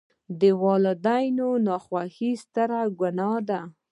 د والداینو ناخوښي ستره ګناه ده.